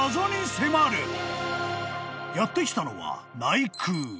［やって来たのは内宮］